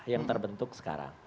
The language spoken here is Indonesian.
yang terbentuk sekarang